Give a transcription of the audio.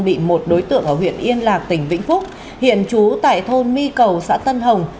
bị một đối tượng ở huyện yên lạc tỉnh vĩnh phúc hiện trú tại thôn my cầu xã tân hồng